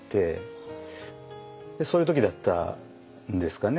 そういう時だったんですかね。